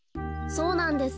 そうなんです。